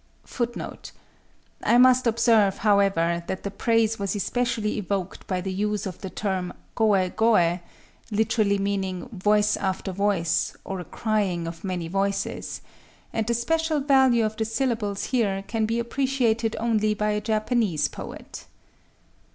_" I must observe, however, that the praise was especially evoked by the use of the term koë goë—(literally meaning "voice after voice" or a crying of many voices);—and the special value of the syllables here can be appreciated only by a Japanese poet.